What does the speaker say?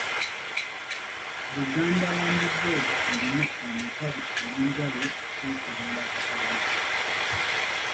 Buganda Land Board erina amatabi ag'enjawulo okwetooloola Buganda.